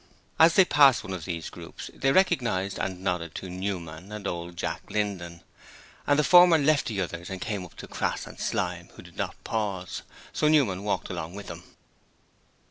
As they passed one of these groups they recognized and nodded to Newman and old Jack Linden, and the former left the others and came up to Crass and Slyme, who did not pause, so Newman walked along with them.